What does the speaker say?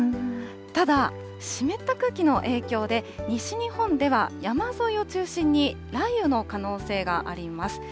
ただ、湿った空気の影響で、西日本では山沿いを中心に雷雨の可能性があります。